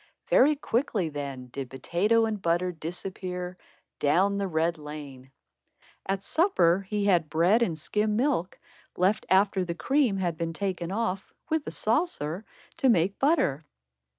Very quickly then did potato and butter disappear "down the red lane." At supper, he had bread and skim milk, left after the cream had been taken off, with a saucer, to make butter.